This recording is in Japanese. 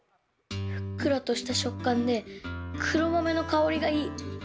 ふっくらとした食感で黒豆の香りがいい。